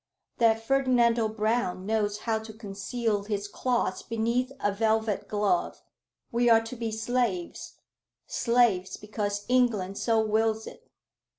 That Ferdinando Brown knows how to conceal his claws beneath a velvet glove. We are to be slaves, slaves because England so wills it.